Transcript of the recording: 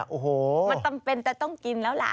โอ้โหมันจำเป็นจะต้องกินแล้วล่ะ